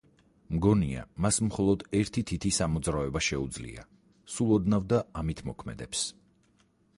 მგონია, მას მხოლოდ ერთი თითის ამოძრავება შეუძლია, სულ ოდნავ და ამით მოქმედებს.